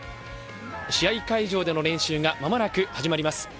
試合会場での練習がまもなく始まります。